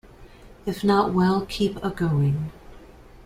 If not well, keep agoing.